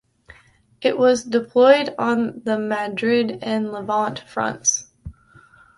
It was deployed on the Madrid and Levante fronts.